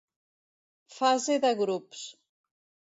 Fase de grups.